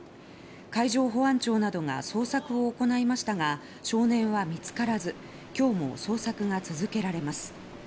海上保安庁などが捜索を行いましたが少年は見つからず今日も捜索が続けられます。